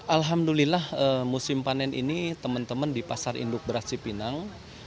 alhamdulillah musim panen ini teman teman di pasar induk beras cipinang